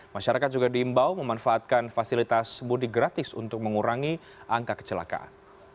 masyarakat juga diimbau memanfaatkan fasilitas mudik gratis untuk mengurangi angka kecelakaan